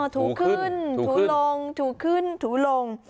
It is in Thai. ถูขึ้นถูลงถูขึ้นถูลง